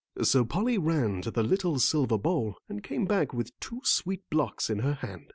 So Polly ran to the little silver bowl and came back with two sweet blocks in her hand.